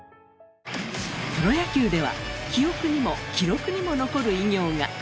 プロ野球では記憶にも記録にも残る偉業が。